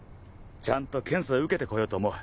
ちゃんと検査受けてこようと思う。